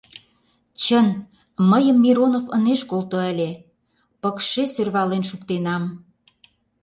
Чын, мыйым Миронов ынеж колто ыле, пыкше сӧрвален шуктенам.